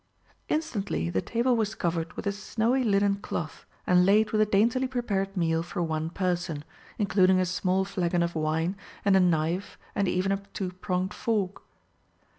'" Instantly the table was covered with a snowy linen cloth and laid with a daintily prepared meal for one person, including a small flagon of wine and a knife and even a two pronged fork.